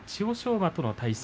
馬との対戦。